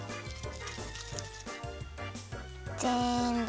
ぜんぶ！